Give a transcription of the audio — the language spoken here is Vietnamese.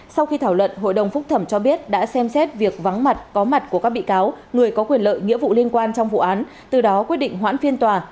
sau khi thảo luận hội đồng phúc thẩm cho biết đã xem xét việc vắng mặt có mặt của các bị cáo người có quyền lợi nghĩa vụ liên quan trong vụ án từ đó quyết định hoãn phiên tòa